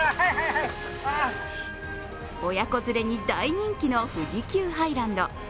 親子連れに大人気の富士急ハイランド。